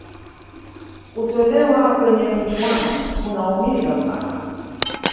kutolewa kwenye michuano kunaumiza sana